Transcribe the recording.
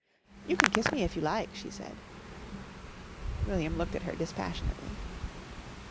"You can kiss me if you like," she said. William looked at her dispassionately.